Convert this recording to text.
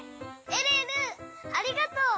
えるえるありがとう！